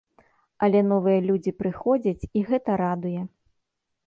Але новыя людзі прыходзяць, і гэта радуе.